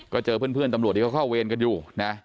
ก็เจอเพื่อนตำรวจที่เขาเข้าเวรกันอยู่นะ